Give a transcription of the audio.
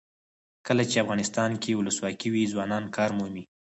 کله چې افغانستان کې ولسواکي وي ځوانان کار مومي.